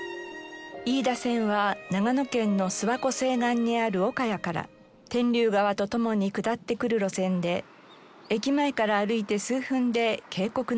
飯田線は長野県の諏訪湖西岸にある岡谷から天竜川とともに下ってくる路線で駅前から歩いて数分で渓谷の上に出ます。